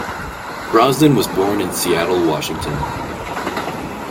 Bronson was born in Seattle, Washington.